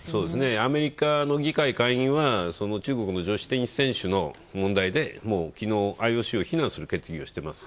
アメリカの議会下院は中国の女子テニス選手の問題で、きのうＩＯＣを非難する決議をしてます。